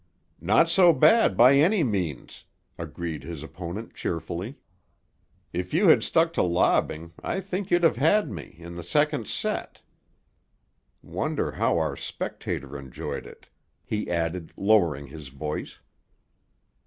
"Not so bad by any means," agreed his opponent cheerfully. "If you had stuck to lobbing, I think you'd have had me, in the second set. Wonder how our spectator enjoyed it," he added, lowering his voice.